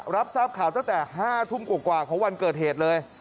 รับทราบข่าวตั้งแต่๕ทุ่มกว่าของวันเกิดเหตุเลย